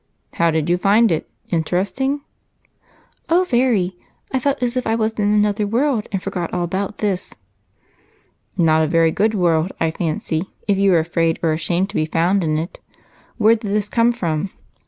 "How do you find it? Interesting?" "Oh, very! I felt as if I was in another world and forgot all about this." "Not a very good world, I fancy, if you were afraid or ashamed to be found in it. Where did this come from?"